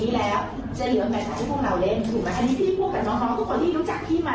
เราต้องเอาคนที่เล่นที่เรามั่นใจว่า